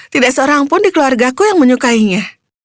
tidak seorang pun di keluarga aku yang menyukainya